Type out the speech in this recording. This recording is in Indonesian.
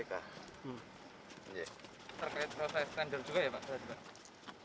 terkait saya sekandar juga ya pak